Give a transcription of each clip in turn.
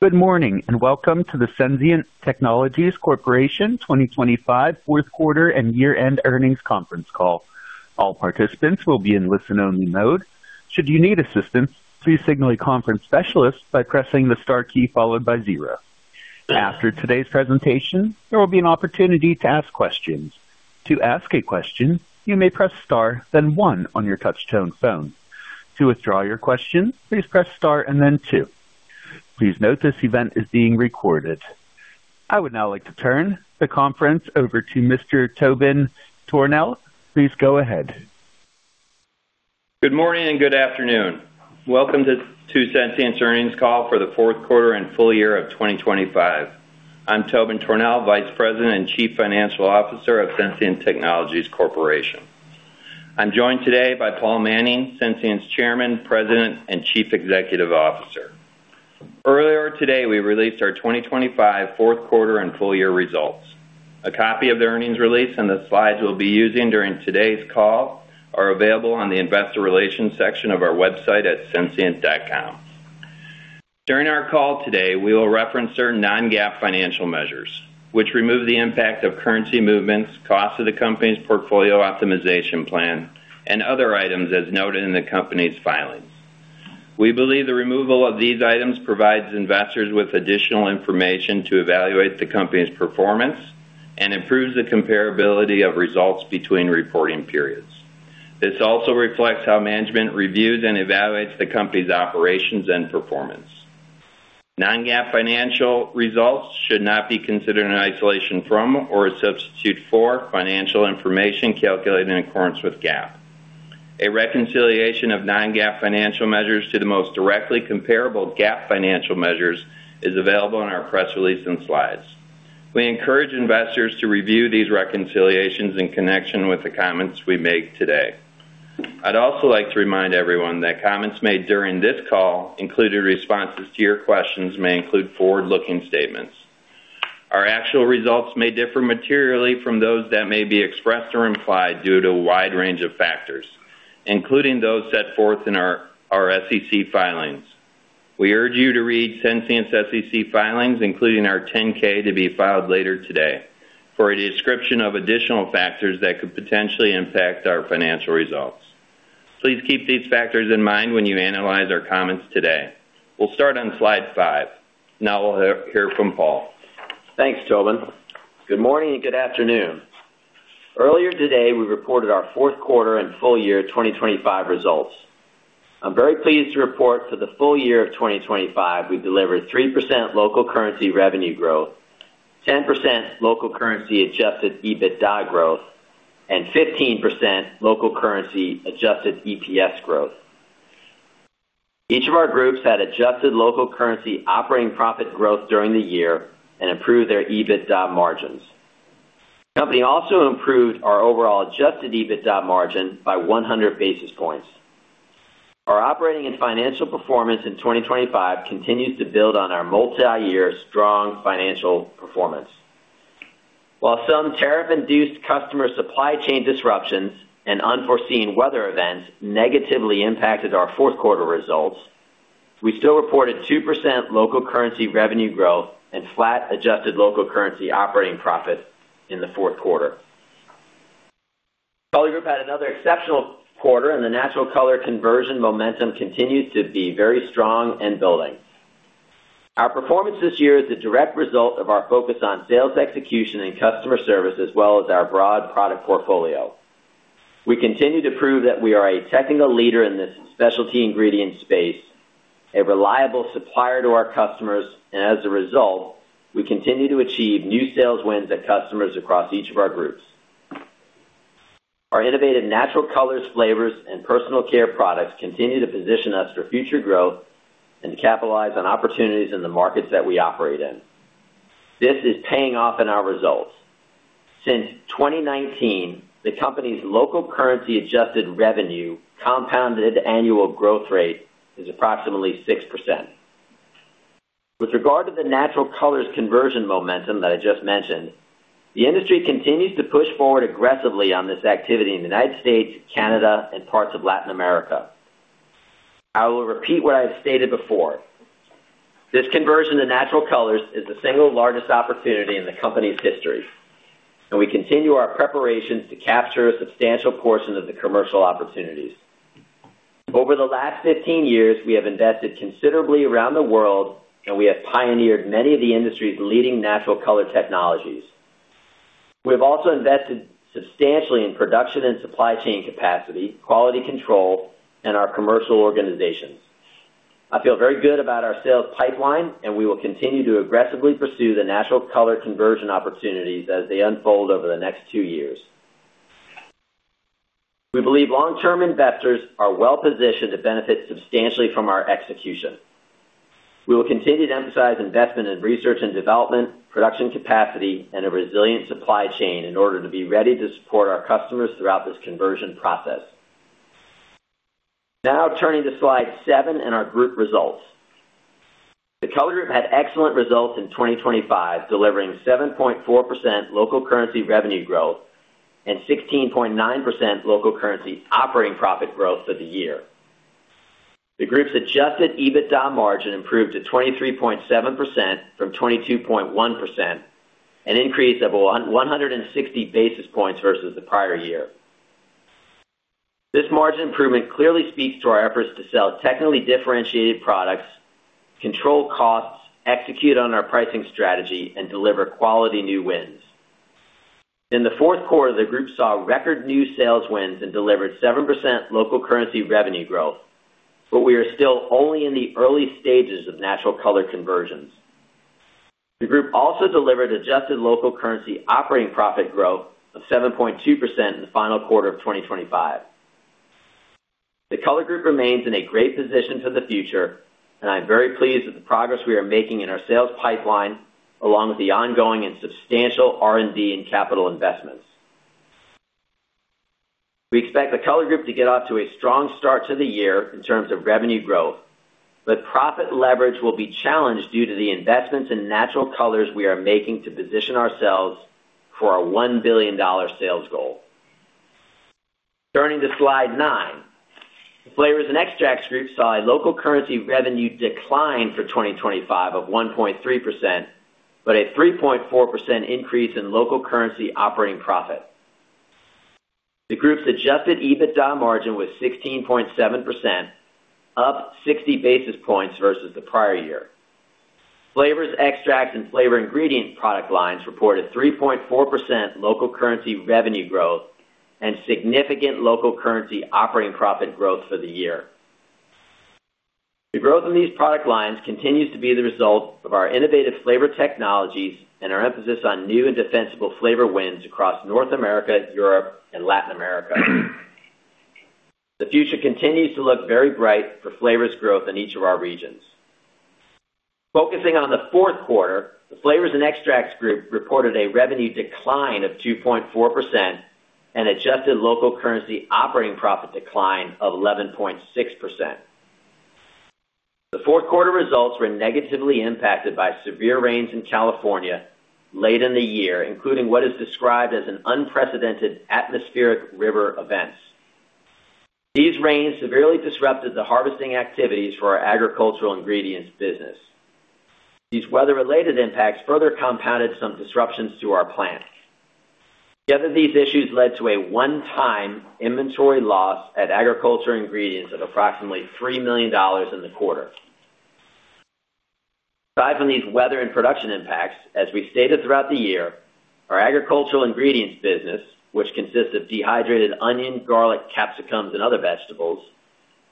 Good morning, and welcome to the Sensient Technologies Corporation 2025 fourth quarter and year-end earnings conference call. All participants will be in listen-only mode. Should you need assistance, please signal a conference specialist by pressing the star key followed by zero. After today's presentation, there will be an opportunity to ask questions. To ask a question, you may press star, then one on your touchtone phone. To withdraw your question, please press star and then two. Please note this event is being recorded. I would now like to turn the conference over to Mr. Tobin Tornehl. Please go ahead. Good morning and good afternoon. Welcome to Sensient's earnings call for the fourth quarter and full year of 2025. I'm Tobin Tornehl, Vice President and Chief Financial Officer of Sensient Technologies Corporation. I'm joined today by Paul Manning, Sensient's Chairman, President, and Chief Executive Officer. Earlier today, we released our 2025 fourth quarter and full year results. A copy of the earnings release and the slides we'll be using during today's call are available on the investor relations section of our website at sensient.com. During our call today, we will reference certain non-GAAP financial measures, which remove the impact of currency movements, cost of the company's Portfolio Optimization Plan, and other items as noted in the company's filings. We believe the removal of these items provides investors with additional information to evaluate the company's performance and improves the comparability of results between reporting periods. This also reflects how management reviews and evaluates the company's operations and performance. Non-GAAP financial results should not be considered in isolation from or a substitute for financial information calculated in accordance with GAAP. A reconciliation of non-GAAP financial measures to the most directly comparable GAAP financial measures is available in our press release and slides. We encourage investors to review these reconciliations in connection with the comments we make today. I'd also like to remind everyone that comments made during this call, including responses to your questions, may include forward-looking statements. Our actual results may differ materially from those that may be expressed or implied due to a wide range of factors, including those set forth in our SEC filings. We urge you to read Sensient's SEC filings, including our Form 10-K, to be filed later today, for a description of additional factors that could potentially impact our financial results. Please keep these factors in mind when you analyze our comments today. We'll start on slide 5. Now we'll hear from Paul. Thanks, Tobin. Good morning and good afternoon. Earlier today, we reported our fourth quarter and full year 2025 results. I'm very pleased to report to the full year of 2025, we delivered 3% local currency revenue growth, 10% local currency Adjusted EBITDA growth, and 15% local currency Adjusted EPS growth. Each of our groups had adjusted local currency operating profit growth during the year and improved their EBITDA margins. The company also improved our overall Adjusted EBITDA margin by 100 basis points. Our operating and financial performance in 2025 continues to build on our multi-year strong financial performance. While some tariff-induced customer supply chain disruptions and unforeseen weather events negatively impacted our fourth quarter results, we still reported 2% local currency revenue growth and flat adjusted local currency operating profit in the fourth quarter. Color Group had another exceptional quarter, and the natural color conversion momentum continued to be very strong and building. Our performance this year is a direct result of our focus on sales, execution, and customer service, as well as our broad product portfolio. We continue to prove that we are a technical leader in this specialty ingredient space, a reliable supplier to our customers, and as a result, we continue to achieve new sales wins at customers across each of our groups. Our innovative natural colors, flavors, and personal care products continue to position us for future growth and capitalize on opportunities in the markets that we operate in. This is paying off in our results. Since 2019, the company's local currency adjusted revenue compounded annual growth rate is approximately 6%. With regard to the natural colors conversion momentum that I just mentioned, the industry continues to push forward aggressively on this activity in the United States, Canada, and parts of Latin America. I will repeat what I've stated before. This conversion to natural colors is the single largest opportunity in the company's history, and we continue our preparations to capture a substantial portion of the commercial opportunities. Over the last 15 years, we have invested considerably around the world, and we have pioneered many of the industry's leading natural color technologies. We've also invested substantially in production and supply chain capacity, quality control, and our commercial organizations. I feel very good about our sales pipeline, and we will continue to aggressively pursue the natural color conversion opportunities as they unfold over the next two years. We believe long-term investors are well positioned to benefit substantially from our execution. We will continue to emphasize investment in research and development, production capacity, and a resilient supply chain in order to be ready to support our customers throughout this conversion process. Now, turning to slide seven and our group results. The Color Group had excellent results in 2025, delivering 7.4% local currency revenue growth and 16.9% local currency operating profit growth for the year. The group's Adjusted EBITDA margin improved to 23.7% from 22.1%, an increase of 160 basis points versus the prior year. This margin improvement clearly speaks to our efforts to sell technically differentiated products, control costs, execute on our pricing strategy, and deliver quality new wins. In the fourth quarter, the group saw record new sales wins and delivered 7% local currency revenue growth, but we are still only in the early stages of natural color conversions. The group also delivered adjusted local currency operating profit growth of 7.2% in the final quarter of 2025. The Color Group remains in a great position for the future, and I'm very pleased with the progress we are making in our sales pipeline, along with the ongoing and substantial R&D and capital investments. We expect the Color Group to get off to a strong start to the year in terms of revenue growth, but profit leverage will be challenged due to the investments in natural colors we are making to position ourselves for our $1 billion sales goal. Turning to Slide 9. The Flavors and Extracts Group saw a local currency revenue decline for 2025 of 1.3%, but a 3.4% increase in local currency operating profit. The group's Adjusted EBITDA margin was 16.7%, up 60 basis points versus the prior year. Flavors, extracts, and flavor ingredient product lines reported 3.4% local currency revenue growth and significant local currency operating profit growth for the year. The growth in these product lines continues to be the result of our innovative flavor technologies and our emphasis on new and defensible flavor wins across North America, Europe, and Latin America. The future continues to look very bright for flavors growth in each of our regions. Focusing on the fourth quarter, the Flavors and Extracts Group reported a revenue decline of 2.4% and adjusted local currency operating profit decline of 11.6%. The fourth quarter results were negatively impacted by severe rains in California late in the year, including what is described as an unprecedented atmospheric river event. These rains severely disrupted the harvesting activities for our agricultural ingredients business. These weather-related impacts further compounded some disruptions to our plants. Together, these issues led to a one-time inventory loss at agricultural ingredients of approximately $3 million in the quarter. Aside from these weather and production impacts, as we've stated throughout the year, our agricultural ingredients business, which consists of dehydrated onion, garlic, capsicums, and other vegetables,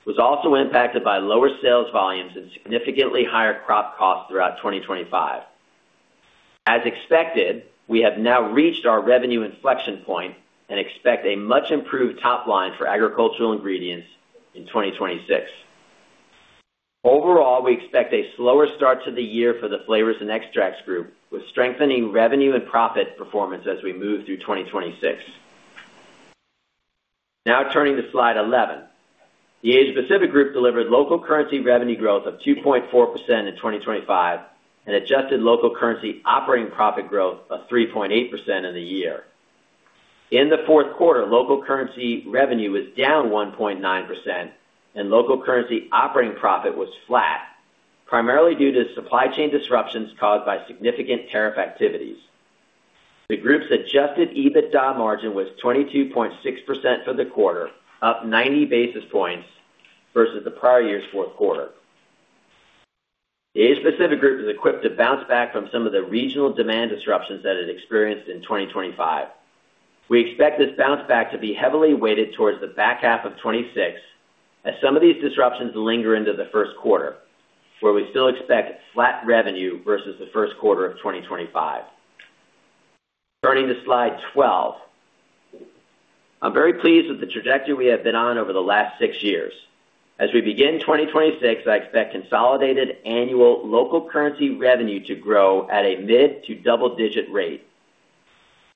was also impacted by lower sales volumes and significantly higher crop costs throughout 2025. As expected, we have now reached our revenue inflection point and expect a much improved top line for agricultural ingredients in 2026. Overall, we expect a slower start to the year for the Flavors and Extracts Group, with strengthening revenue and profit performance as we move through 2026. Now turning to Slide 11. The Asia Pacific Group delivered local currency revenue growth of 2.4% in 2025, and adjusted local currency operating profit growth of 3.8% in the year. In the fourth quarter, local currency revenue was down 1.9% and local currency operating profit was flat, primarily due to supply chain disruptions caused by significant tariff activities. The group's Adjusted EBITDA margin was 22.6% for the quarter, up 90 basis points versus the prior year's fourth quarter. The Asia Pacific Group is equipped to bounce back from some of the regional demand disruptions that it experienced in 2025. We expect this bounce back to be heavily weighted towards the back half of 2026, as some of these disruptions linger into the first quarter, where we still expect flat revenue versus the first quarter of 2025. Turning to Slide 12. I'm very pleased with the trajectory we have been on over the last six years. As we begin 2026, I expect consolidated annual local currency revenue to grow at a mid to double-digit rate.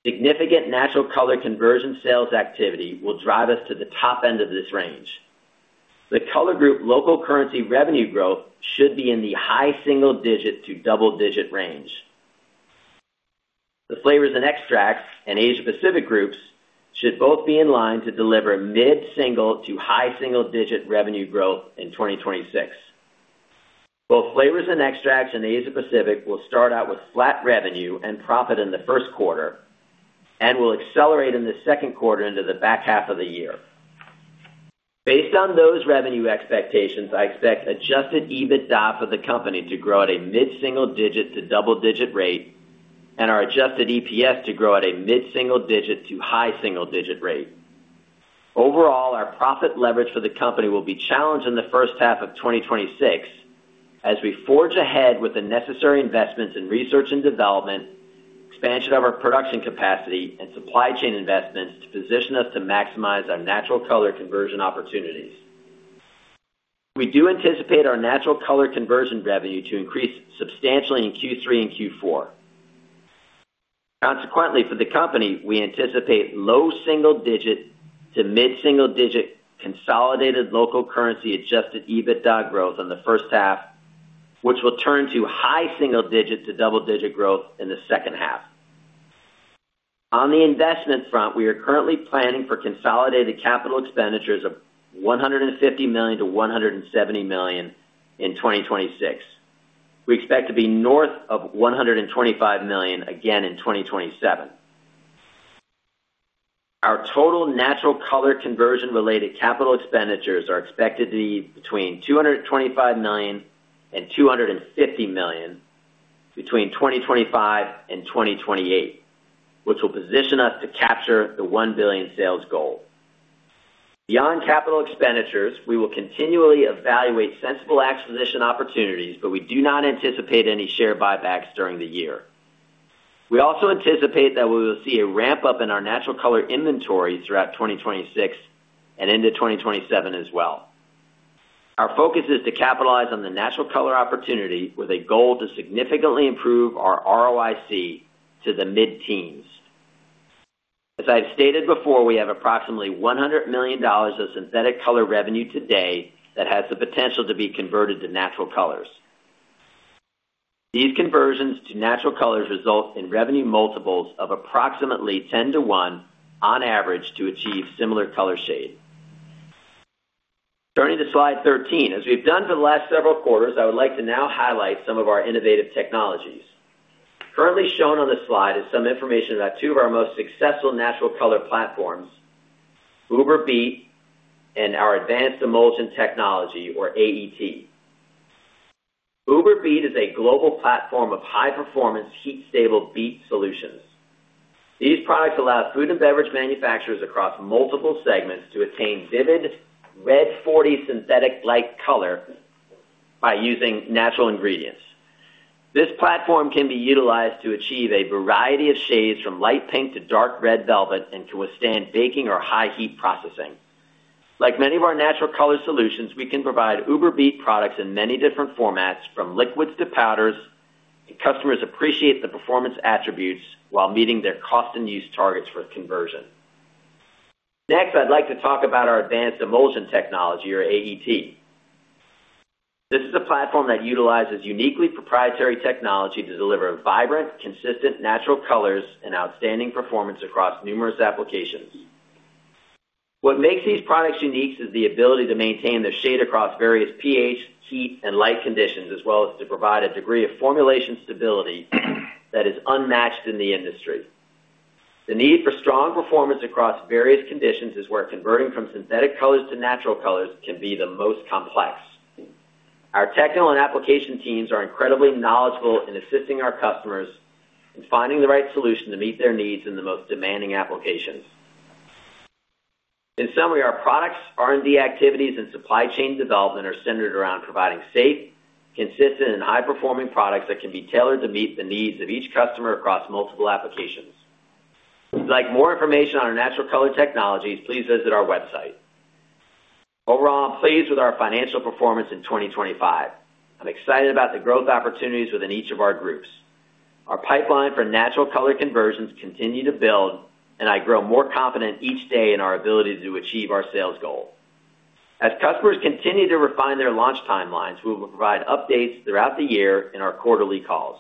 Significant natural color conversion sales activity will drive us to the top end of this range. The Color Group local currency revenue growth should be in the high single-digit to double-digit range. The Flavors and Extracts and Asia Pacific Groups should both be in line to deliver mid-single to high single-digit revenue growth in 2026. Both Flavors and Extracts and Asia Pacific will start out with flat revenue and profit in the first quarter and will accelerate in the second quarter into the back half of the year. Based on those revenue expectations, I expect Adjusted EBITDA for the company to grow at a mid single-digit to double-digit rate, and our adjusted EPS to grow at a mid-single digit to high single-digit rate. Overall, our profit leverage for the company will be challenged in the first half of 2026 as we forge ahead with the necessary investments in research and development, expansion of our production capacity, and supply chain investments to position us to maximize our natural color conversion opportunities. We do anticipate our natural color conversion revenue to increase substantially in Q3 and Q4. Consequently, for the company, we anticipate low single-digit to mid-single-digit consolidated local currency Adjusted EBITDA growth in the first half, which will turn to high single-digits to double-digit growth in the second half. On the investment front, we are currently planning for consolidated capital expenditures of $150 million-$170 million in 2026. We expect to be north of $125 million again in 2027. Our total natural color conversion-related capital expenditures are expected to be between $225 million and $250 million between 2025 and 2028, which will position us to capture the $1 billion sales goal. Beyond capital expenditures, we will continually evaluate sensible acquisition opportunities, but we do not anticipate any share buybacks during the year. We also anticipate that we will see a ramp-up in our natural color inventory throughout 2026 and into 2027 as well. Our focus is to capitalize on the natural color opportunity with a goal to significantly improve our ROIC to the mid-teens. As I've stated before, we have approximately $100 million of synthetic color revenue today that has the potential to be converted to natural colors. These conversions to natural colors result in revenue multiples of approximately 10x on average, to achieve similar color shade. Turning to slide 13. As we've done for the last several quarters, I would like to now highlight some of our innovative technologies. Currently shown on this slide is some information about two of our most successful natural color platforms, UberBeet and our Advanced Emulsion Technology, or AET. UberBeet is a global platform of high-performance, heat-stable beet solutions. These products allow food and beverage manufacturers across multiple segments to attain vivid Red 40 synthetic-like color by using natural ingredients. This platform can be utilized to achieve a variety of shades, from light pink to dark red velvet, and can withstand baking or high heat processing. Like many of our natural color solutions, we can provide UberBeet products in many different formats, from liquids to powders. Customers appreciate the performance attributes while meeting their cost and use targets for conversion. Next, I'd like to talk about our Advanced Emulsion Technology, or AET. This is a platform that utilizes uniquely proprietary technology to deliver vibrant, consistent, natural colors and outstanding performance across numerous applications. What makes these products unique is the ability to maintain their shade across various pH, heat, and light conditions, as well as to provide a degree of formulation stability that is unmatched in the industry. The need for strong performance across various conditions is where converting from synthetic colors to natural colors can be the most complex. Our technical and application teams are incredibly knowledgeable in assisting our customers in finding the right solution to meet their needs in the most demanding applications. In summary, our products, R&D activities, and supply chain development are centered around providing safe, consistent, and high-performing products that can be tailored to meet the needs of each customer across multiple applications. If you'd like more information on our natural color technologies, please visit our website. Overall, I'm pleased with our financial performance in 2025. I'm excited about the growth opportunities within each of our groups. Our pipeline for natural color conversions continue to build, and I grow more confident each day in our ability to achieve our sales goal. As customers continue to refine their launch timelines, we will provide updates throughout the year in our quarterly calls.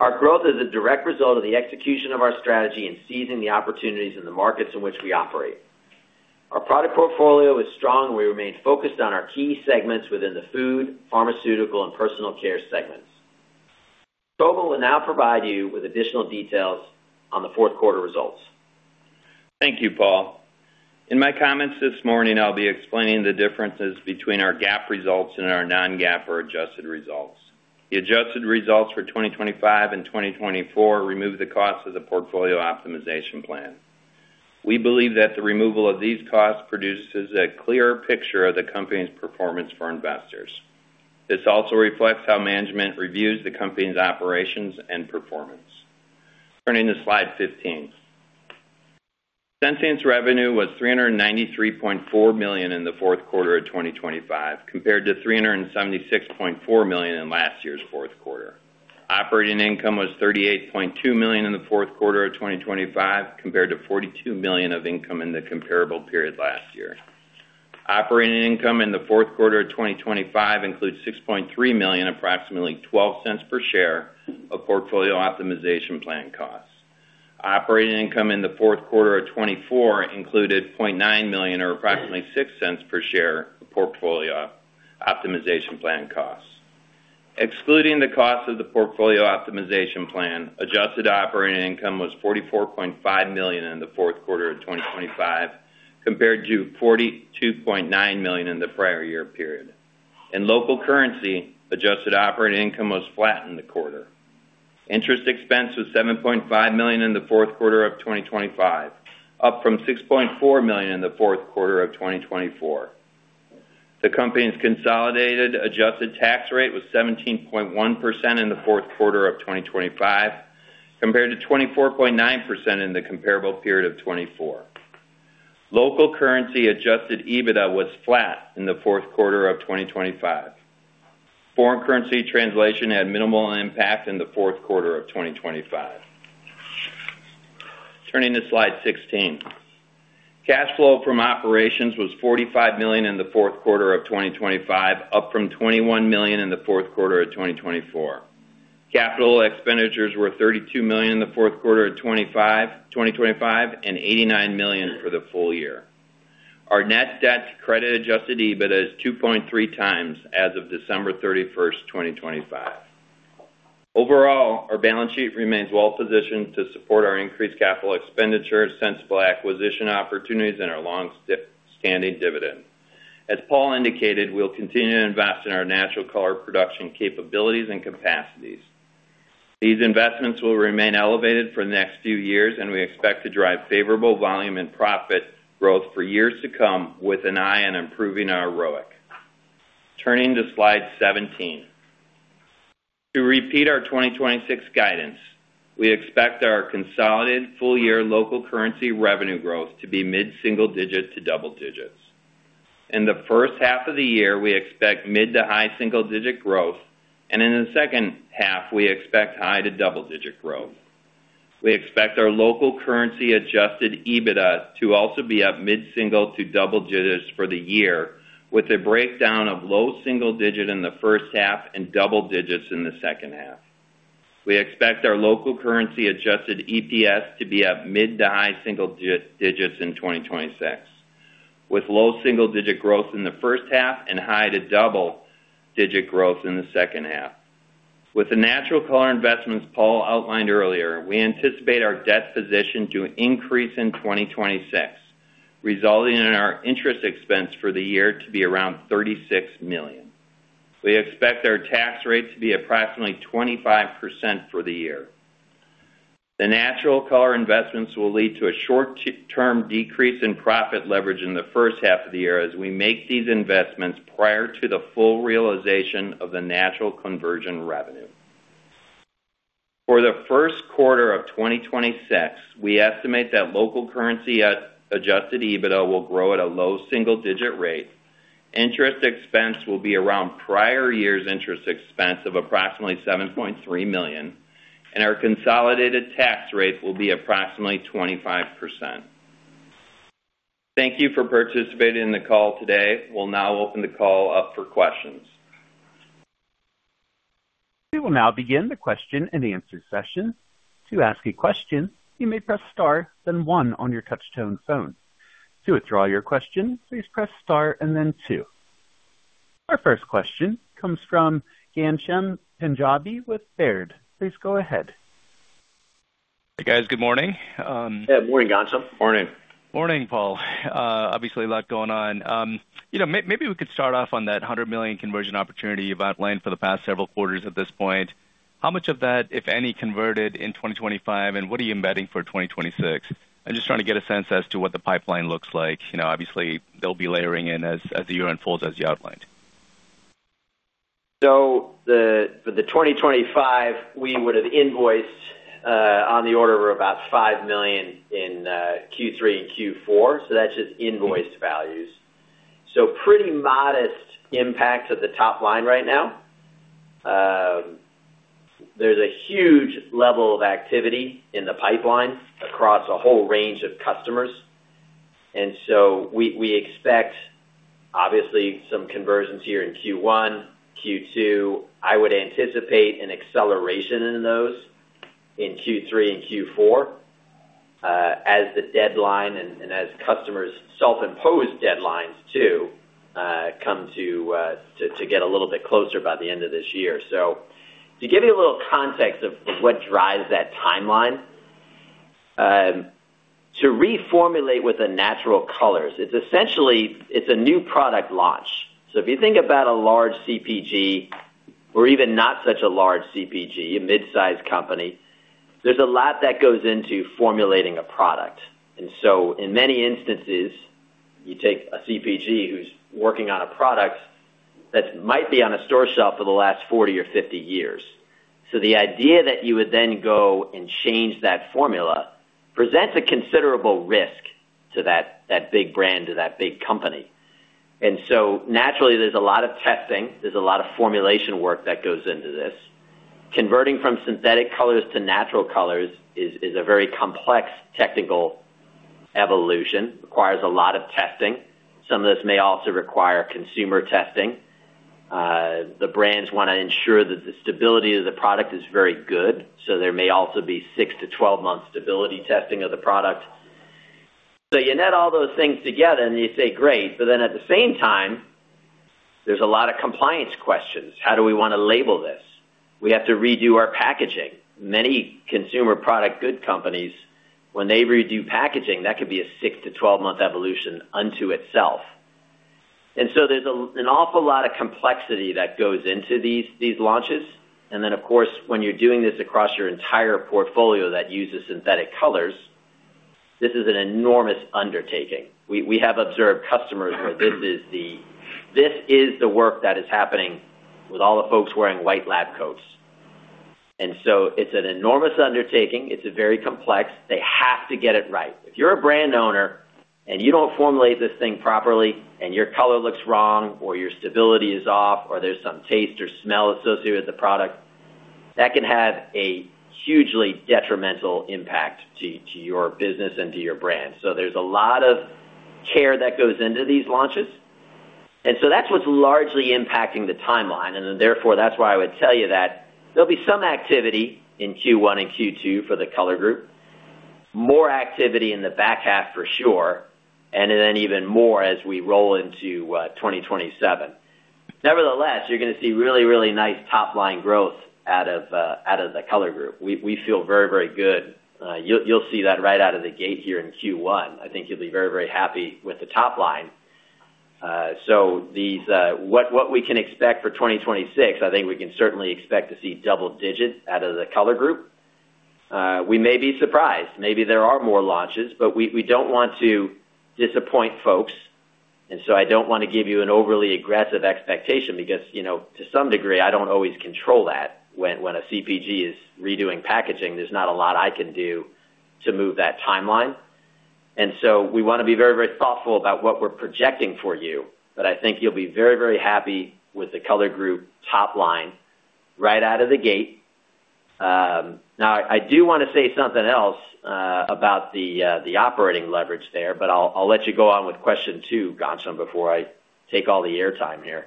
Our growth is a direct result of the execution of our strategy and seizing the opportunities in the markets in which we operate. Our product portfolio is strong. We remain focused on our key segments within the food, pharmaceutical, and personal care segments. Tobin will now provide you with additional details on the fourth quarter results. Thank you, Paul. In my comments this morning, I'll be explaining the differences between our GAAP results and our non-GAAP or adjusted results. The adjusted results for 2025 and 2024 remove the cost of the Portfolio Optimization Plan. We believe that the removal of these costs produces a clearer picture of the company's performance for investors. This also reflects how management reviews the company's operations and performance. Turning to slide 15. Sensient's revenue was $393.4 million in the fourth quarter of 2025, compared to $376.4 million in last year's fourth quarter. Operating income was $38.2 million in the fourth quarter of 2025, compared to $42 million of income in the comparable period last year. Operating income in the fourth quarter of 2025 includes $6.3 million, approximately $0.12 per share of Portfolio Optimization Plan costs. Operating income in the fourth quarter of 2024 included $0.9 million or approximately $0.06 per share of Portfolio Optimization Plan costs. Excluding the cost of the Portfolio Optimization Plan, adjusted operating income was $44.5 million in the fourth quarter of 2025, compared to $42.9 million in the prior year period. In local currency, adjusted operating income was flat in the quarter. Interest expense was $7.5 million in the fourth quarter of 2025, up from $6.4 million in the fourth quarter of 2024. The company's consolidated adjusted tax rate was 17.1% in the fourth quarter of 2025, compared to 24.9% in the comparable period of 2024. Local currency Adjusted EBITDA was flat in the fourth quarter of 2025. Foreign Currency Translation had minimal impact in the fourth quarter of 2025. Turning to slide 16. Cash flow from operations was $45 million in the fourth quarter of 2025, up from $21 million in the fourth quarter of 2024. Capital expenditures were $32 million in the fourth quarter of 2025, and $89 million for the full year. Our net debt to adjusted EBIT is 2.3x as of December 31, 2025. Overall, our balance sheet remains well positioned to support our increased capital expenditures, sensible acquisition opportunities, and our long-standing dividend. As Paul indicated, we'll continue to invest in our natural color production capabilities and capacities. These investments will remain elevated for the next few years, and we expect to drive favorable volume and profit growth for years to come, with an eye on improving our ROIC. Turning to slide 17. To repeat our 2026 guidance, we expect our consolidated full-year local currency revenue growth to be mid single-digit to double-digit. In the first half of the year, we expect mid- to high single-digit growth, and in the second half, we expect high to double-digit growth. We expect our local currency Adjusted EBITDA to also be up mid, single, to double-digit for the year, with a breakdown of low single-digit in the first half and double-digit in the second half. We expect our local currency adjusted EPS to be up mid- to high single-digits in 2026, with low single-digit growth in the first half and high- to double-digit growth in the second half. With the natural color investments Paul outlined earlier, we anticipate our debt position to increase in 2026, resulting in our interest expense for the year to be around $36 million. We expect our tax rate to be approximately 25% for the year. The natural color investments will lead to a short-term decrease in profit leverage in the first half of the year as we make these investments prior to the full realization of the natural conversion revenue. For the first quarter of 2026, we estimate that local currency Adjusted EBITDA will grow at a low single-digit rate. Interest expense will be around prior year's interest expense of approximately $7.3 million, and our consolidated tax rate will be approximately 25%. Thank you for participating in the call today. We'll now open the call up for questions. We will now begin the question and answer session. To ask a question, you may press star, then one on your touchtone phone. To withdraw your question, please press star and then two. Our first question comes from Ghansham Panjabi with Baird. Please go ahead. Hey, guys. Good morning. Yeah, morning, Ghansham. Morning. Morning, Paul. Obviously, a lot going on. You know, maybe we could start off on that $100 million conversion opportunity you've outlined for the past several quarters at this point. How much of that, if any, converted in 2025, and what are you embedding for 2026? I'm just trying to get a sense as to what the pipeline looks like. You know, obviously, they'll be layering in as the year unfolds, as you outlined. So for the 2025, we would have invoiced on the order of about $5 million in Q3 and Q4, so that's just invoice values. Pretty modest impact to the top line right now. There's a huge level of activity in the pipeline across a whole range of customers, and so we expect, obviously, some conversions here in Q1, Q2. I would anticipate an acceleration in those in Q3 and Q4, as the deadline and as customers' self-imposed deadlines too come to get a little bit closer by the end of this year. To give you a little context of what drives that timeline, to reformulate with the natural colors, it's essentially... It's a new product launch. So if you think about a large CPG or even not such a large CPG, a mid-sized company, there's a lot that goes into formulating a product. And so in many instances, you take a CPG who's working on a product that might be on a store shelf for the last 40 or 50 years. So the idea that you would then go and change that formula presents a considerable risk to that, that big brand, to that big company. And so naturally, there's a lot of testing, there's a lot of formulation work that goes into this. Converting from synthetic colors to natural colors is, is a very complex technical evolution, requires a lot of testing. Some of this may also require consumer testing. The brands wanna ensure that the stability of the product is very good, so there may also be six to 12-month stability testing of the product. So you net all those things together, and you say, great, but then at the same time, there's a lot of compliance questions. How do we wanna label this? We have to redo our packaging. Many consumer packaged goods companies, when they redo packaging, that could be a six to 12-month evolution unto itself. And so there's an awful lot of complexity that goes into these launches. And then, of course, when you're doing this across your entire portfolio that uses synthetic colors, this is an enormous undertaking. We have observed customers where this is the work that is happening with all the folks wearing white lab coats. And so it's an enormous undertaking. It's very complex. They have to get it right. If you're a brand owner and you don't formulate this thing properly, and your color looks wrong, or your stability is off, or there's some taste or smell associated with the product, that can have a hugely detrimental impact to your business and to your brand. So there's a lot of care that goes into these launches, and so that's what's largely impacting the timeline. And then, therefore, that's why I would tell you that there'll be some activity in Q1 and Q2 for the Color Group, more activity in the back half, for sure, and then even more as we roll into 2027. Nevertheless, you're gonna see really, really nice top-line growth out of the Color Group. We feel very, very good. You'll see that right out of the gate here in Q1. I think you'll be very, very happy with the top line. What we can expect for 2026, I think we can certainly expect to see double-digits out of the Color Group. We may be surprised. Maybe there are more launches, but we don't want to disappoint folks, and so I don't wanna give you an overly aggressive expectation because, you know, to some degree, I don't always control that. When a CPG is redoing packaging, there's not a lot I can do to move that timeline. And so we wanna be very, very thoughtful about what we're projecting for you. But I think you'll be very, very happy with the Color Group top line right out of the gate. Now, I do wanna say something else about the operating leverage there, but I'll let you go on with question two, Ghansham, before I take all the airtime here.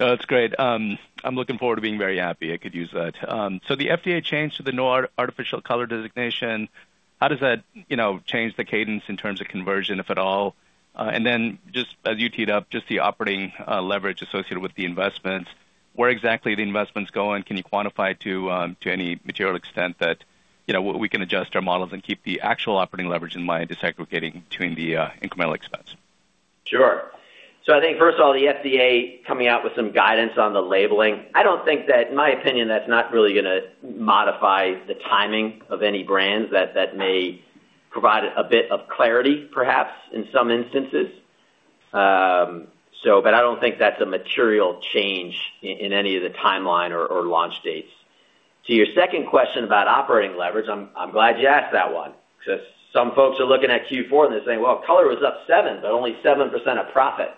No, that's great. I'm looking forward to being very happy. I could use that. So the FDA change to the no artificial color designation, how does that, you know, change the cadence in terms of conversion, if at all? And then just as you teed up, just the operating leverage associated with the investments, where exactly are the investments going? Can you quantify to any material extent that, you know, we can adjust our models and keep the actual operating leverage in mind, disaggregating between the incremental expense? Sure. So I think, first of all, the FDA coming out with some guidance on the labeling, I don't think that, in my opinion, that's not really gonna modify the timing of any brands. That, that may provide a bit of clarity, perhaps, in some instances. So but I don't think that's a material change in any of the timeline or, or launch dates. To your second question about operating leverage, I'm, I'm glad you asked that one because some folks are looking at Q4, and they're saying: Well, Color was up seven, but only 7% of profit.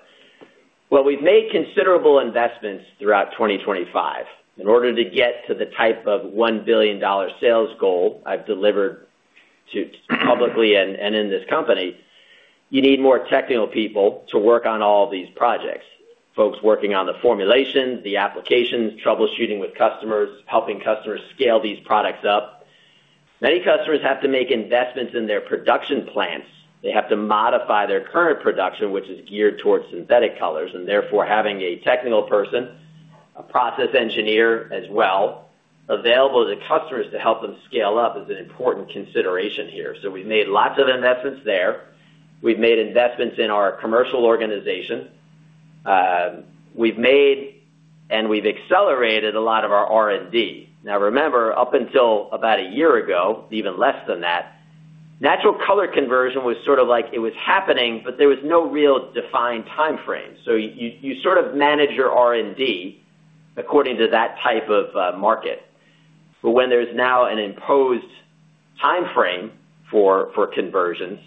Well, we've made considerable investments throughout 2025. In order to get to the type of $1 billion sales goal I've delivered to publicly and in this company, you need more technical people to work on all these projects, folks working on the formulations, the applications, troubleshooting with customers, helping customers scale these products up. Many customers have to make investments in their production plants. They have to modify their current production, which is geared towards synthetic colors, and therefore, having a technical person, a process engineer as well, available to customers to help them scale up is an important consideration here. So we've made lots of investments there. We've made investments in our commercial organization. We've made and we've accelerated a lot of our R&D. Now, remember, up until about a year ago, even less than that, natural color conversion was sort of like it was happening, but there was no real defined time frame. So you sort of manage your R&D according to that type of market. But when there's now an imposed time frame for conversions,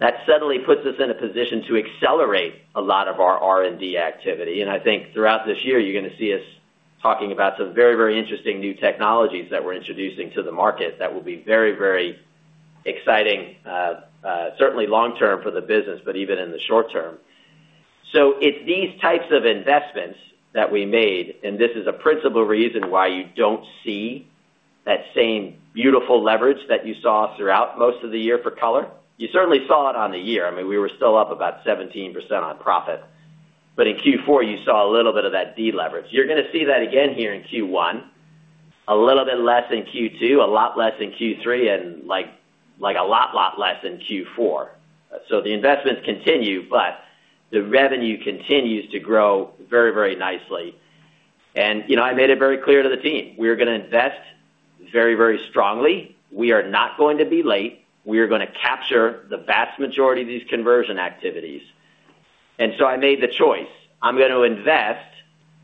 that suddenly puts us in a position to accelerate a lot of our R&D activity. And I think throughout this year, you're gonna see us talking about some very, very interesting new technologies that we're introducing to the market that will be very, very exciting, certainly long term for the business, but even in the short term. So it's these types of investments that we made, and this is a principal reason why you don't see that same beautiful leverage that you saw throughout most of the year for Color. You certainly saw it on the year. I mean, we were still up about 17% on profit. But in Q4, you saw a little bit of that deleverage. You're gonna see that again here in Q1, a little bit less in Q2, a lot less in Q3, and, like, like, a lot, lot less in Q4. So the investments continue, but the revenue continues to grow very, very nicely. And, you know, I made it very clear to the team, we're gonna invest very, very strongly. We are not going to be late. We are gonna capture the vast majority of these conversion activities. And so I made the choice. I'm gonna invest,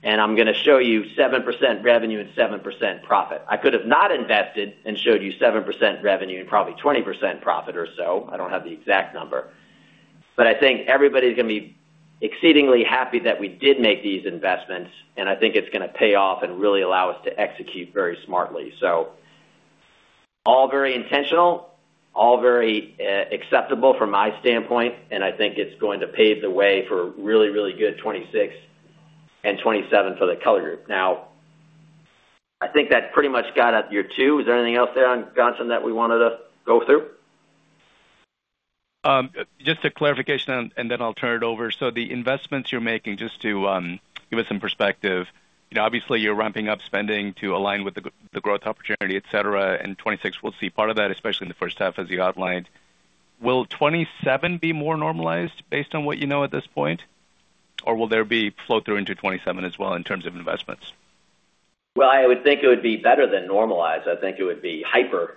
and I'm gonna show you 7% revenue and 7% profit. I could have not invested and showed you 7% revenue and probably 20% profit or so. I don't have the exact number. But I think everybody's gonna be exceedingly happy that we did make these investments, and I think it's gonna pay off and really allow us to execute very smartly. So all very intentional, all very acceptable from my standpoint, and I think it's going to pave the way for a really, really good 2026 and 2027 for the Color Group. Now, I think that pretty much got at your two. Is there anything else there, Ghansham, that we wanted to go through? Just a clarification, and then I'll turn it over. So the investments you're making, just to give us some perspective, you know, obviously, you're ramping up spending to align with the growth opportunity, et cetera, in 2026. We'll see part of that, especially in the first half, as you outlined. Will 2027 be more normalized based on what you know at this point, or will there be flow-through into 2027 as well in terms of investments? Well, I would think it would be better than normalized. I think it would be hyper,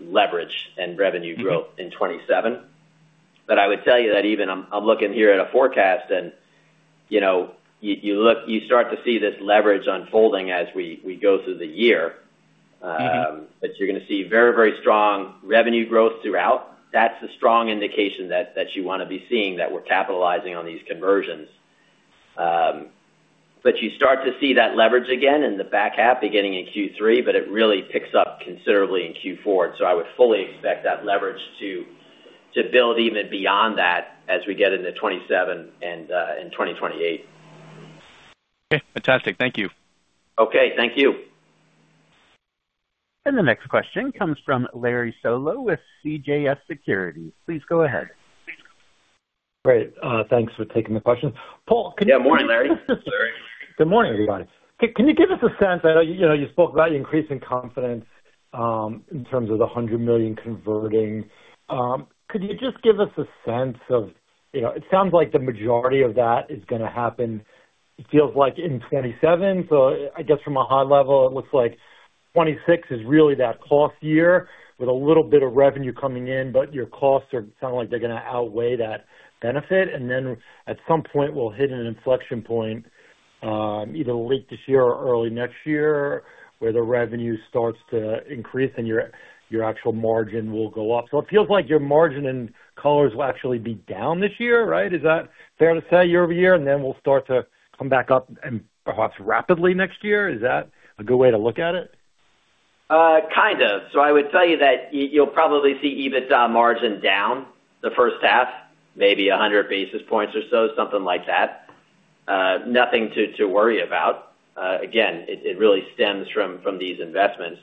leverage and revenue growth in 2027. But I would tell you that even I'm looking here at a forecast and, you know, you look, you start to see this leverage unfolding as we go through the year. But you're gonna see very, very strong revenue growth throughout. That's a strong indication that you wanna be seeing, that we're capitalizing on these conversions. But you start to see that leverage again in the back half, beginning in Q3, but it really picks up considerably in Q4. So I would fully expect that leverage to build even beyond that as we get into 2027 and in 2028. Okay, fantastic. Thank you. Okay, thank you. The next question comes from Larry Solow with CJS Securities. Please go ahead. Great. Thanks for taking the question. Paul, can you- Yeah. Morning, Larry. Good morning, everybody. Can you give us a sense. I know, you know, you spoke about your increasing confidence in terms of the $100 million converting. Could you just give us a sense of, you know, it sounds like the majority of that is gonna happen, it feels like in 2027. So I guess from a high level, it looks like 2026 is really that cost year, with a little bit of revenue coming in, but your costs are sounding like they're gonna outweigh that benefit. And then at some point, we'll hit an inflection point, either late this year or early next year, where the revenue starts to increase and your actual margin will go up. So it feels like your margin and colors will actually be down this year, right? Is that fair to say, year-over-year, and then we'll start to come back up and perhaps rapidly next year? Is that a good way to look at it? Kind of. So I would tell you that you'll probably see EBITDA margin down the first half, maybe 100 basis points or so, something like that. Nothing to worry about. Again, it really stems from these investments.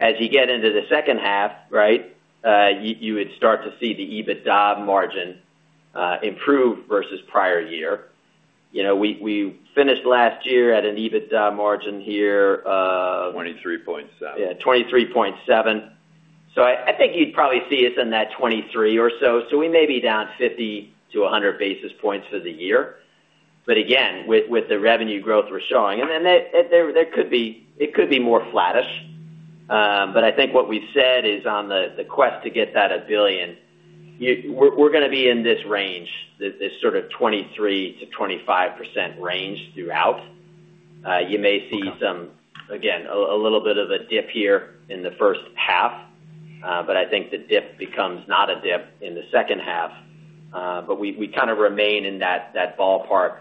As you get into the second half, right, you would start to see the EBITDA margin improve versus prior year. You know, we finished last year at an EBITDA margin here. 23.7. Yeah, 23.7. So I, I think you'd probably see us in that 23 or so. So we may be down 50 to 100 basis points for the year. But again, with, with the revenue growth we're showing, and then there, there could be, it could be more flattish. But I think what we've said is on the, the quest to get that $1 billion, you, we're, we're gonna be in this range, this, this sort of 23%-25% range throughout. You may see some, again, a little bit of a dip here in the first half, but I think the dip becomes not a dip in the second half. But we kind of remain in that ballpark,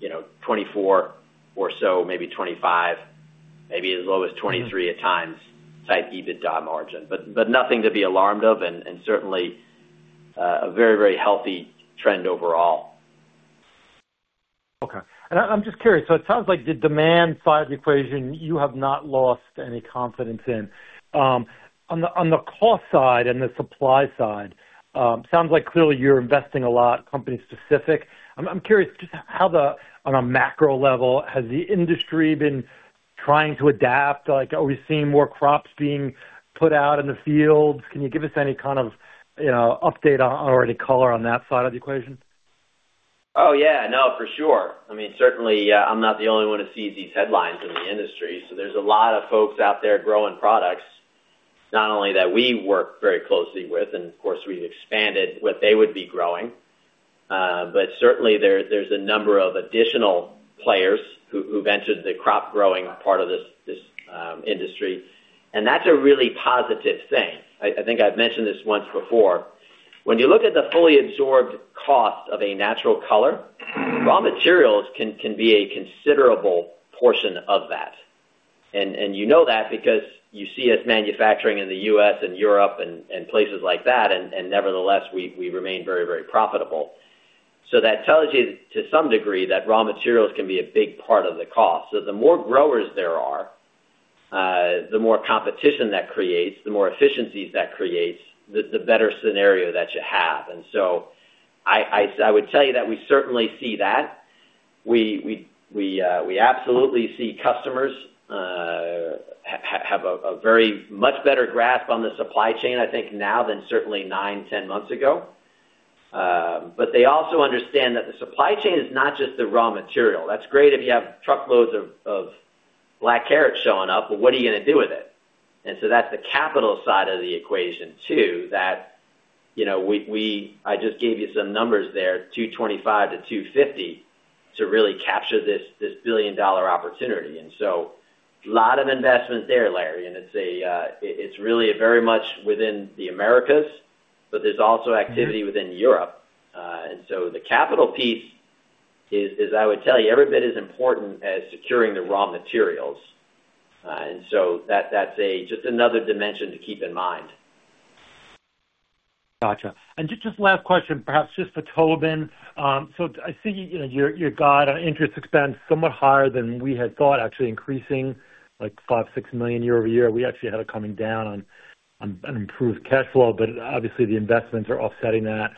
you know, 24 or so, maybe 25, maybe as low as 23 at times, type EBITDA margin. But nothing to be alarmed of, and certainly a very healthy trend overall. Okay. And I'm just curious, so it sounds like the demand side of the equation, you have not lost any confidence in. On the cost side and the supply side, sounds like clearly you're investing a lot, company specific. I'm curious just how, on a macro level, has the industry been trying to adapt? Like, are we seeing more crops being put out in the fields? Can you give us any kind of, you know, update on or any color on that side of the equation? Oh, yeah, no, for sure. I mean, certainly, I'm not the only one who sees these headlines in the industry. So there's a lot of folks out there growing products. Not only that, we work very closely with, and of course, we've expanded what they would be growing, but certainly there, there's a number of additional players who've entered the crop growing part of this industry. And that's a really positive thing. I think I've mentioned this once before. When you look at the fully absorbed cost of a natural color, raw materials can be a considerable portion of that. And you know that because you see us manufacturing in the U.S. and Europe and places like that, and nevertheless, we remain very, very profitable. So that tells you, to some degree, that raw materials can be a big part of the cost. So the more growers there are, the more competition that creates, the more efficiencies that creates, the better scenario that you have. And so I would tell you that we certainly see that. We absolutely see customers have a very much better grasp on the supply chain, I think now, than certainly 9, 10 months ago. But they also understand that the supply chain is not just the raw material. That's great if you have truckloads of black carrots showing up, but what are you gonna do with it? And so that's the capital side of the equation, too, that, you know, I just gave you some numbers there, 225-250, to really capture this, this billion-dollar opportunity. And so a lot of investment there, Larry, and it's a, it's really very much within the Americas, but there's also activity within Europe. And so the capital piece is, I would tell you, every bit as important as securing the raw materials. And so that, that's just another dimension to keep in mind. Gotcha. And just last question, perhaps just for Tobin. So I see, you know, you're, you've got interest expense somewhat higher than we had thought, actually increasing, like $5 million-$6 million year-over-year. We actually had it coming down on, on an improved cash flow, but obviously, the investments are offsetting that.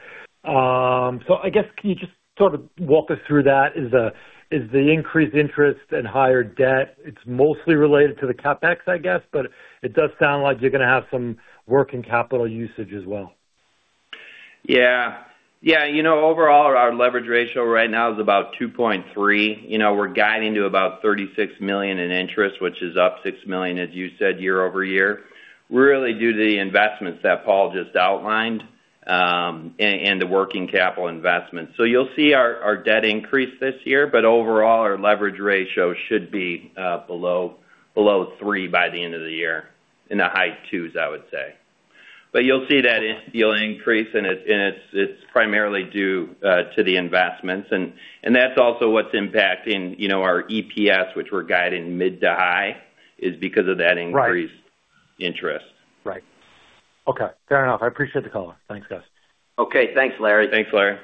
So I guess, can you just sort of walk us through that? Is the, is the increased interest and higher debt, it's mostly related to the CapEx, I guess, but it does sound like you're gonna have some working capital usage as well. Yeah. Yeah, you know, overall, our leverage ratio right now is about 2.3. You know, we're guiding to about $36 million in interest, which is up $6 million, as you said, year-over-year, really due to the investments that Paul just outlined, and the working capital investments. So you'll see our debt increase this year, but overall, our leverage ratio should be below 3 by the end of the year, in the high 2s, I would say. But you'll see that it'll increase, and it's primarily due to the investments. And that's also what's impacting, you know, our EPS, which we're guiding mid to high, is because of that increased interest. Right. Okay, fair enough. I appreciate the call. Thanks, guys. Okay, thanks, Larry. Thanks, Larry.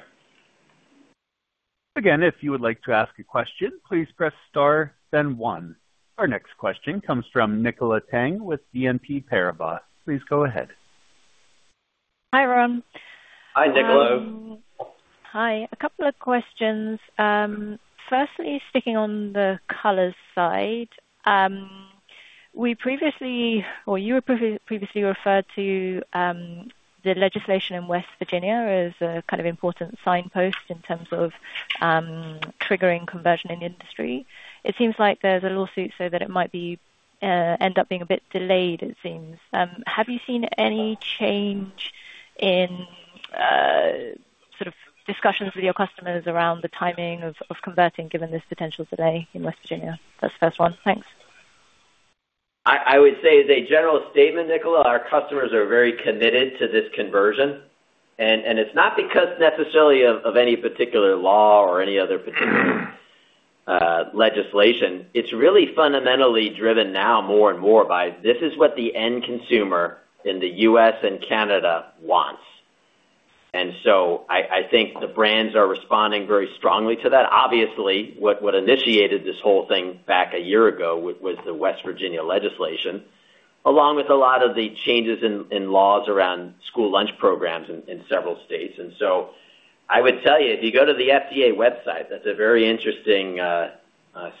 Again, if you would like to ask a question, please press star, then one. Our next question comes from Nicola Tang with BNP Paribas. Please go ahead. Hi, everyone. Hi, Nicola. Hi, a couple of questions. Firstly, sticking on the colors side, you were previously referred to the legislation in West Virginia as a kind of important signpost in terms of triggering conversion in the industry. It seems like there's a lawsuit so that it might end up being a bit delayed, it seems. Have you seen any change in sort of discussions with your customers around the timing of converting, given this potential delay in West Virginia? That's the first one. Thanks. I would say as a general statement, Nicola, our customers are very committed to this conversion, and it's not because necessarily of any particular law or any other particular legislation. It's really fundamentally driven now more and more by this is what the end consumer in the U.S. and Canada wants. And so I think the brands are responding very strongly to that. Obviously, what initiated this whole thing back a year ago was the West Virginia legislation, along with a lot of the changes in laws around school lunch programs in several states. And so I would tell you, if you go to the FDA website, that's a very interesting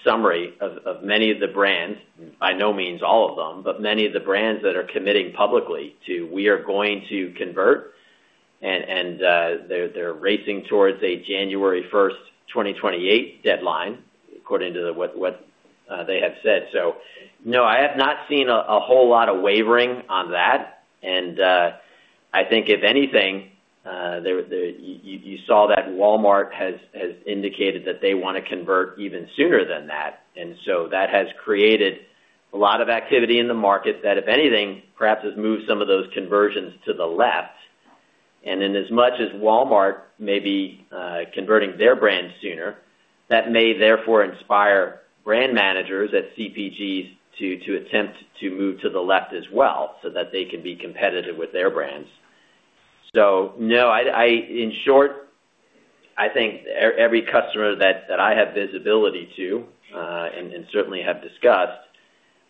summary of many of the brands. By no means all of them, but many of the brands that are committing publicly to, "We are going to convert," they're racing towards a January 1, 2028 deadline, according to what they have said. So no, I have not seen a whole lot of wavering on that. And I think if anything, you saw that Walmart has indicated that they wanna convert even sooner than that. And so that has created a lot of activity in the market that, if anything, perhaps has moved some of those conversions to the left. And then as much as Walmart may be converting their brand sooner, that may therefore inspire brand managers at CPGs to attempt to move to the left as well, so that they can be competitive with their brands. So no, in short, I think every customer that I have visibility to, and certainly have discussed,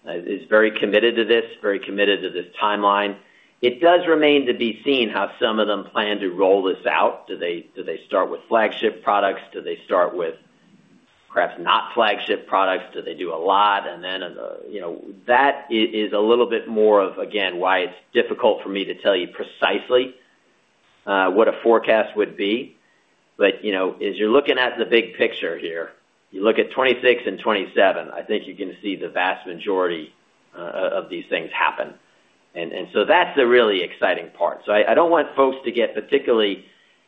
is very committed to this, very committed to this timeline. It does remain to be seen how some of them plan to roll this out. Do they start with flagship products? Do they start with perhaps not flagship products? Do they do a lot? And then, you know. That is a little bit more of, again, why it's difficult for me to tell you precisely what a forecast would be. But, you know, as you're looking at the big picture here, you look at 2026 and 2027, I think you're gonna see the vast majority of these things happen. And so that's the really exciting part. So I, I don't want folks to get particularly: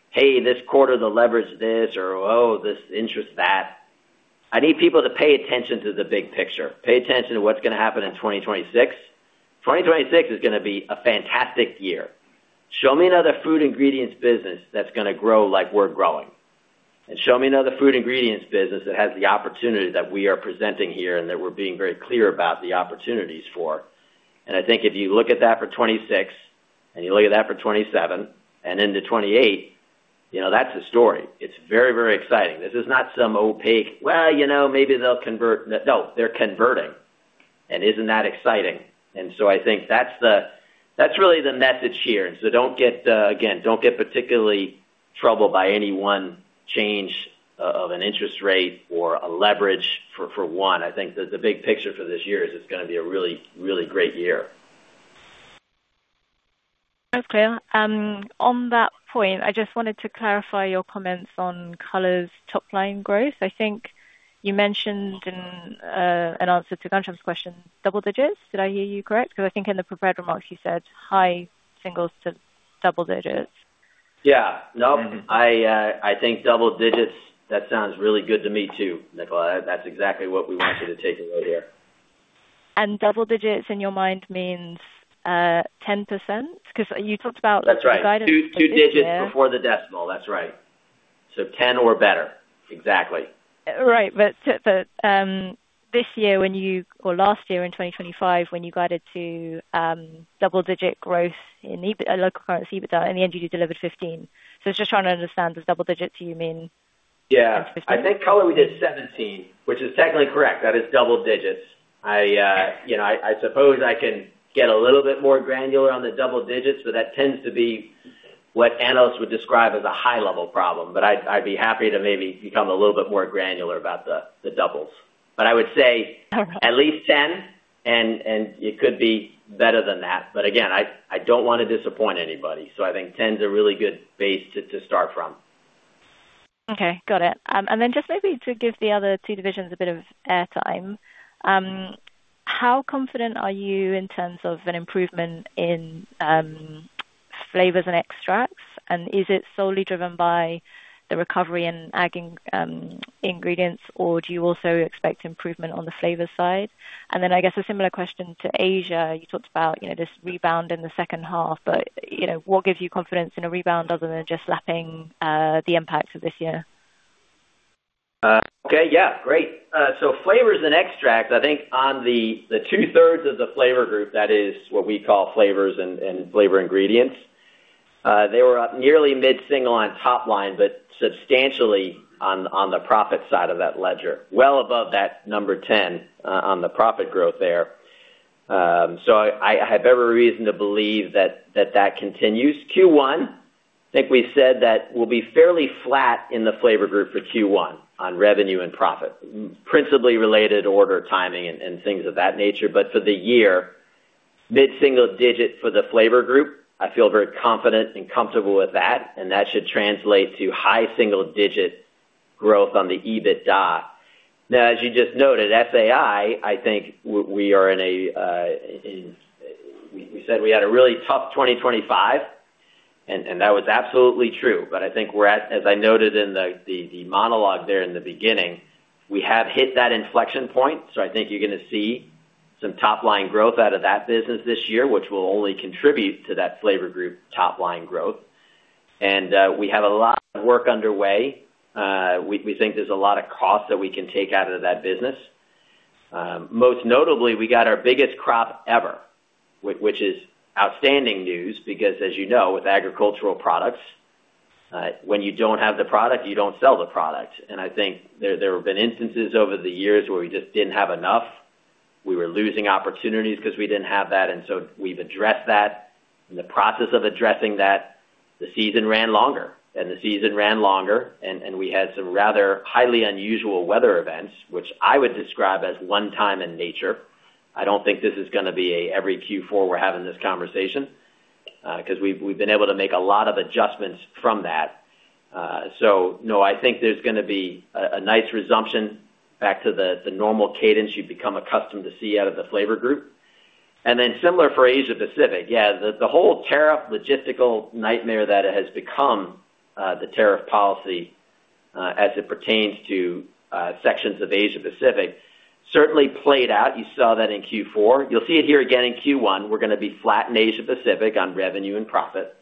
"Hey, this quarter, the leverage this," or, "Oh, this interest that." I need people to pay attention to the big picture. Pay attention to what's gonna happen in 2026. 2026 is gonna be a fantastic year. Show me another food ingredients business that's gonna grow like we're growing, and show me another food ingredients business that has the opportunity that we are presenting here, and that we're being very clear about the opportunities for. And I think if you look at that for 2026, and you look at that for 2027 and into 2028, you know, that's a story. It's very, very exciting. This is not some opaque, "Well, you know, maybe they'll convert." No, they're converting, and isn't that exciting? And so I think that's the... That's really the message here. And so don't get, again, don't get particularly troubled by any one change of an interest rate or a leverage for one. I think the big picture for this year is it's gonna be a really, really great year. That's clear. On that point, I just wanted to clarify your comments on color's top-line growth. I think you mentioned in an answer to Ghansham's question, double-digits. Did I hear you correct? Because I think in the prepared remarks, you said high singles to double-digits. Yeah. I think double-digits, that sounds really good to me, too, Nicola. That's exactly what we want you to take away here. Double-digits, in your mind, means 10%? Because you talked about- That's right. The guidance for this year. Two digits before the decimal. That's right. So 10 or better. Exactly. Right. But this year, when you or last year, in 2025, when you guided to double-digit growth in EBITDA, local currency EBITDA, in the end, you delivered 15. So just trying to understand, does double-digits you mean? Yeah. 15. I think color, we did 17, which is technically correct. That is double-digits. I, you know, I suppose I can get a little bit more granular on the double-digits, but that tends to be what analysts would describe as a high-level problem, but I'd be happy to maybe become a little bit more granular about the doubles. But I would say at least 10, and it could be better than that. But again, I don't wanna disappoint anybody, so I think 10's a really good base to start from. Okay, got it. And then just maybe to give the other two divisions a bit of airtime, how confident are you in terms of an improvement in flavors and extracts? And is it solely driven by the recovery in ag ingredients, or do you also expect improvement on the flavor side? And then I guess a similar question to Asia. You talked about, you know, this rebound in the second half, but, you know, what gives you confidence in a rebound other than just lapping the impacts of this year? Okay. Yeah, great. So flavors and extracts, I think on the two-thirds of the Flavor Group, that is what we call flavors and flavor ingredients, they were up nearly mid-single on top line, but substantially on the profit side of that ledger. Well above that number 10 on the profit growth there. So I have every reason to believe that continues. Q1, I think we said that we'll be fairly flat in the Flavor Group for Q1 on revenue and profit, principally related to order timing, and things of that nature. But for the year, mid single-digit for the Flavor Group, I feel very confident and comfortable with that, and that should translate to high single digit growth on the EBITDA. Now, as you just noted, SNI, I think we are in a in... We said we had a really tough 2025, and that was absolutely true. But I think we're at, as I noted in the monologue there in the beginning, we have hit that inflection point, so I think you're gonna see some top line growth out of that business this year, which will only contribute to that Flavor Group top line growth. And we have a lot of work underway. We think there's a lot of costs that we can take out of that business. Most notably, we got our biggest crop ever, which is outstanding news, because, as you know, with agricultural products, when you don't have the product, you don't sell the product. And I think there have been instances over the years where we just didn't have enough. We were losing opportunities 'cause we didn't have that, and so we've addressed that. In the process of addressing that, the season ran longer, and the season ran longer, and we had some rather highly unusual weather events, which I would describe as one time in nature. I don't think this is gonna be a every Q4 we're having this conversation, 'cause we've been able to make a lot of adjustments from that. So no, I think there's gonna be a nice resumption back to the normal cadence you've become accustomed to see out of the Flavor Group. And then similar for Asia Pacific. Yeah, the whole tariff logistical nightmare that it has become, the tariff policy, as it pertains to sections of Asia Pacific, certainly played out. You saw that in Q4. You'll see it here again in Q1. We're gonna be flat in Asia Pacific on revenue and profit,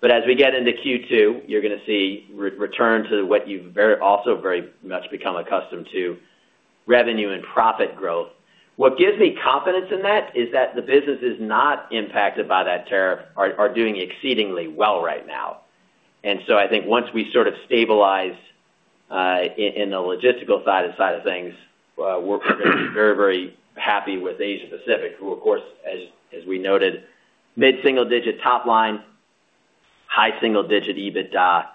but as we get into Q2, you're gonna see return to what you've very, also very much become accustomed to, revenue and profit growth. What gives me confidence in that is that the business is not impacted by that tariff are doing exceedingly well right now. And so I think once we sort of stabilize in the logistical side of things, we're gonna be very, very happy with Asia Pacific, who, of course, as we noted, mid-single digit top line, high single-digit EBITDA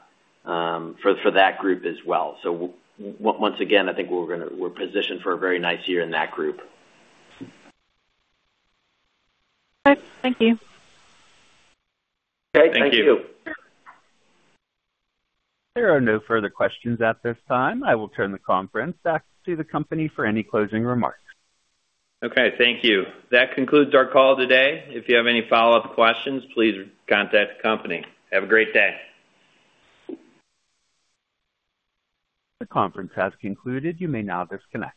for that group as well. So once again, I think we're positioned for a very nice year in that group. All right. Thank you. Okay, thank you. Thank you. There are no further questions at this time. I will turn the conference back to the company for any closing remarks. Okay, thank you. That concludes our call today. If you have any follow-up questions, please contact the company. Have a great day. The conference has concluded. You may now disconnect.